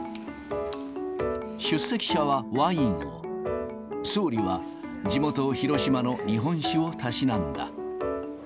出席者はワインを、総理は地元、広島の日本酒をたしなんだ。